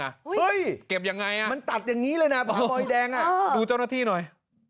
เฮ้ยเก็บยังไงมันตัดอย่างนี้เลยนะผามอยแดงดูเจ้าหน้าที่หน่อย